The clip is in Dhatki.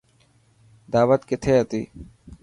داوت ڪٿي هتي.